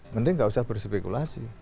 mending gak usah berspekulasi